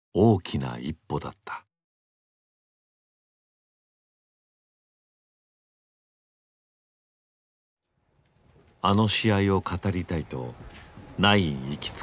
あの試合を語りたいとナイン行きつけの店に案内された。